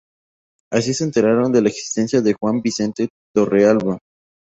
Así se enteraron de la existencia de Juan Vicente Torrealba.